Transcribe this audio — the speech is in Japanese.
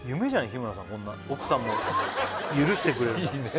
日村さんこんな奥さんも許してくれるなんていいね